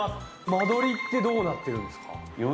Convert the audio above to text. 間取りってどうなってるんですか？